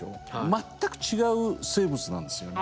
全く違う生物なんですよ。